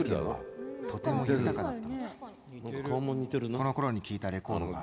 「このころに聴いたレコードが」。